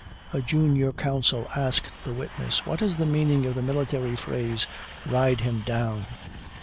A junior counsel asked the witness, "What is the meaning of the military phrase, 'ride him down?'"